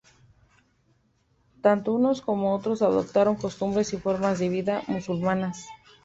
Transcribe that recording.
Tanto unos como otros adoptaron costumbres y formas de vida musulmanas.